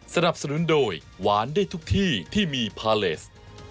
สนับสนุนโดยหวานได้ทุกที่ที่มีพาเลส